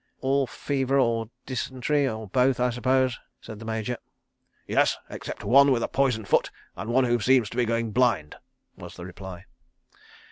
"All fever or dysentery—or both, I suppose?" said the Major. "Yes—except one with a poisoned foot and one who seems to be going blind," was the reply.